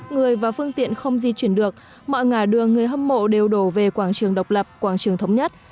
người và phương tiện không di chuyển được mọi ngả đường người hâm mộ đều đổ về quảng trường độc lập quảng trường thống nhất